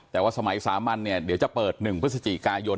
แต่ว่าสมัยสามัญเนี่ยเดี๋ยวจะเปิด๑พฤศจิกายน